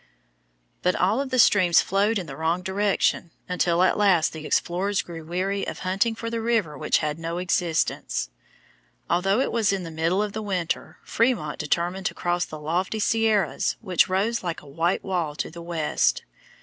[Illustration: FIG. 48. PYRAMID ISLAND, PYRAMID LAKE, NEVADA] But all the streams flowed in the wrong direction, until at last the explorers grew weary of hunting for the river which had no existence. Although it was the middle of the winter, Frémont determined to cross the lofty Sierras which rose like a white wall to the west.